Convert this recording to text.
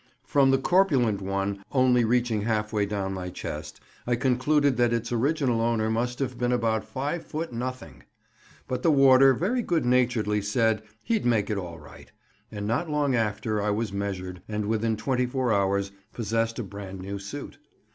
From the "corpulent" one only reaching half way down my chest, I concluded that its original owner must have been about five foot nothing. But the warder very good naturedly said "he'd make it all right," and not long after I was measured, and within twenty four hours possessed a brand new suit.